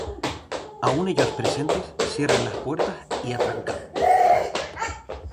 Aun ellos presentes, cierren las puertas, y atrancad.